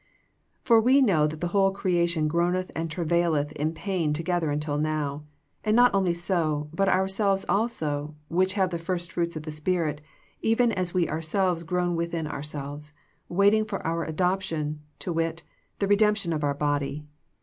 For we know that the whole creation groaneth and travaileth in pain together until now. And not only so, but ourselves also, which have the first fruits of the Spirit, even we ourselves groan within ourselves, waiting for our adoption, to wit, the i edemption of our body.